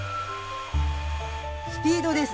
スピードです。